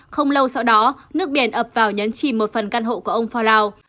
không lâu sau đó nước biển ập vào nhấn chìm một phần căn hộ của ông falao